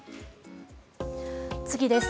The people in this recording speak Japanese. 次です。